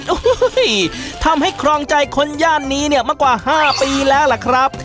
โอ้โหทำให้ครองใจคนย่านนี้เนี่ยมากว่า๕ปีแล้วล่ะครับ